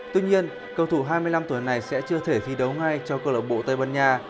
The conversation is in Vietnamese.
tuy nhiên cầu thủ hai mươi năm tuổi này sẽ chưa thể thi đấu ngay cho cơ lộ bộ tây ban nha